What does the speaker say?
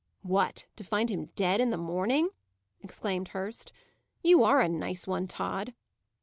"What, to find him dead in the morning!" exclaimed Hurst. "You are a nice one, Tod!"